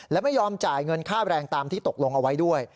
และไม่ยอมจ่ายเงินค่าแรงตามที่ตกลงเอาไว้ด้วย